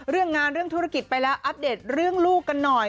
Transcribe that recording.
เรื่องงานเรื่องธุรกิจไปแล้วอัปเดตเรื่องลูกกันหน่อย